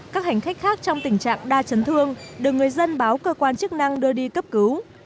các hành khách khác trong tình trạng đa chấn thương được người dân báo cơ quan chức năng đưa đi cấp cứu